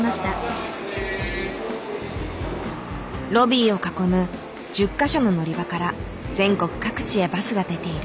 ロビーを囲む１０か所の乗り場から全国各地へバスが出ている。